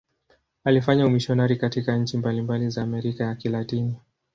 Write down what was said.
Alifanya umisionari katika nchi mbalimbali za Amerika ya Kilatini.